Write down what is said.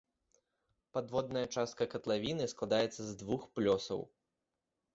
Падводная частка катлавіны складаецца з двух плёсаў.